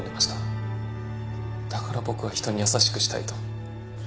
だから僕は人に優しくしたいと。